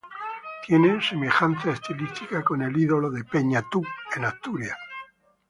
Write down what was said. Tiene semejanza estilística con el Ídolo de Peña Tú, en Asturias.